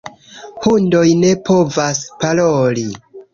Hundoj ne povas paroli.